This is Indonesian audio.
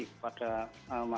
pada perjalanan umum